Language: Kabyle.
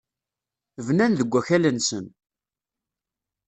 Bnan deg wakal-nsen.